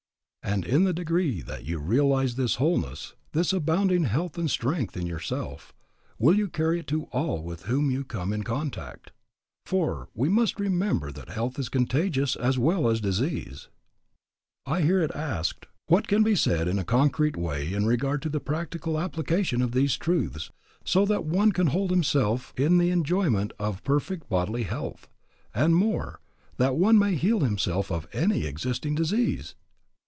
And in the degree that you realize this wholeness, this abounding health and strength in yourself, will you carry it to all with whom you come in contact; for we must remember that health is contagious as well as disease. I hear it asked, What can be said in a concrete way in regard to the practical application of these truths, so that one can hold himself in the enjoyment of perfect bodily health; and more, that one may heal himself of any existing disease?